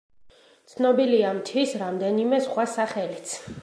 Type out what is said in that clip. ცნობილია მთის რამდენიმე სხვა სახელიც.